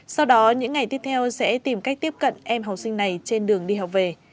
sau đó những ngày tiếp theo sẽ tìm cách tiếp cận em học sinh này trên đường đi học về